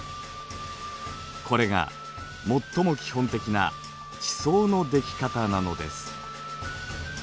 これが最も基本的な地層のでき方なのです。